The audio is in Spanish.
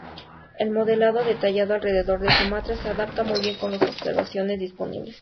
El modelado detallado alrededor de Sumatra, se adapta muy bien con las observaciones disponibles.